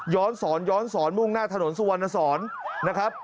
สอนย้อนสอนมุ่งหน้าถนนสุวรรณสอนนะครับ